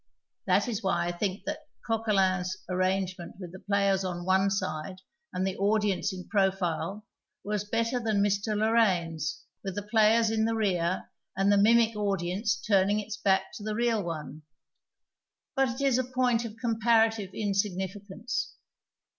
That is why I think that Co(pielin\s arrangenient with the players on one side and the audience in profile was better than Mr. Loraine's, with the players in the rear and the mimic audience turning its back to the real one. IJut it is a 118 PLAYS WITHIN PLAYS point of comparative insignificance.